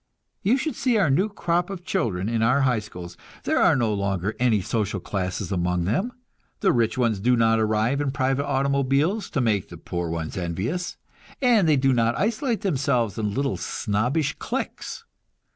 You should see our new crop of children in our high schools! There are no longer any social classes among them; the rich ones do not arrive in private automobiles, to make the poor ones envious, and they do not isolate themselves in little snobbish cliques.